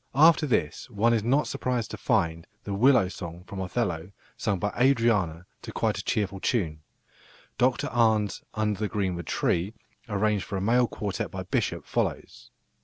After this one is not surprised to find the "Willow song" from Othello sung by Adriana to quite a cheerful tune. Dr Arne's "Under the greenwood tree," arranged for a male quartet by Bishop, follows.